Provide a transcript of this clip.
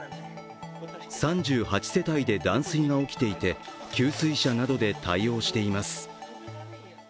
３８世帯で断水が起きていて、給水車などで対応しています。